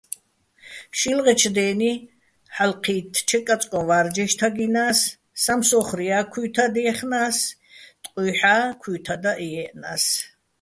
შილღეჩო̆ დე́ნი, ჰ̦ალო̆ ჴი́თთჩე, კაწკოჼ ვა́რჯიშ თაგჲინა́ს, სამსო́ხრია́ ქუჲთად ჲეხნა́ს, ტყუჲჰ̦ა́ ქუჲთადაჸ ჲე́ჸნა́ს.